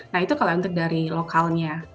nah itu kalau untuk dari lokalnya